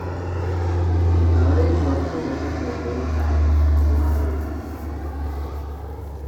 The coverage was presented by Dave Fanning and Laura Woods.